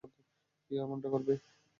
কেউ এমনটা করবে?